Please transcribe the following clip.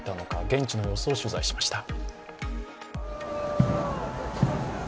現地の様子を取材しました。